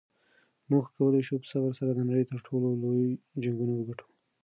موږ کولی شو په صبر سره د نړۍ تر ټولو لوی جنګونه وګټو.